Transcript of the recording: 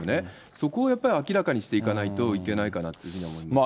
そこをやっぱり明らかにしていかないといけないかなというふうには思いますね。